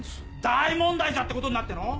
大問題じゃってことんなっての。